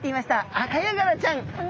アカヤガラちゃん。